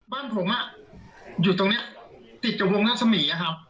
บ้านผมอ่ะอยู่ตรงเนี้ยติดกับวงรัศมีย์อ่ะครับ